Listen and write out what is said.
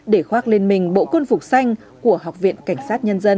để khoác lên mình bộ quân phục xanh của học viện cảnh sát nhân dân